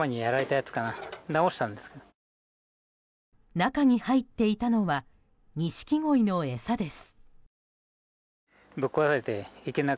中に入っていたのはニシキゴイの餌です。